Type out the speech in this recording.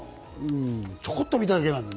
ちょこっと見ただけなんだよね。